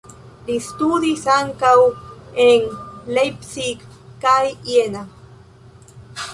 Li studis ankaŭ en Leipzig kaj Jena.